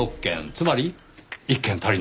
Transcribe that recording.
つまり１県足りない。